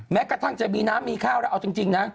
แม้กระทั่งจะมีน้ำมีข้าวแล้วเอาจริงนะ